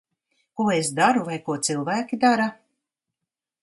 Ko es daru, vai ko cilvēki dara?